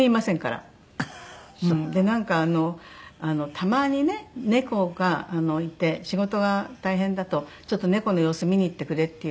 たまにね猫がいて仕事が大変だとちょっと猫の様子見にいってくれっていう。